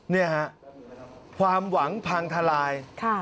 นี่ครับความหวังพังทะลาย